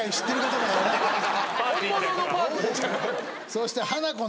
そして。